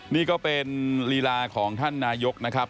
นี่ก็เป็นลีลาของท่านนายกนะครับ